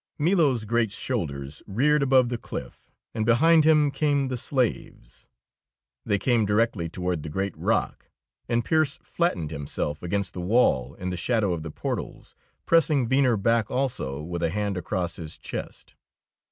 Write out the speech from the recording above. Milo's great shoulders reared above the cliff, and behind him came the slaves. They came directly toward the great rock, and Pearse flattened himself against the wall in the shadow of the portals, pressing Venner back also with a hand across his chest.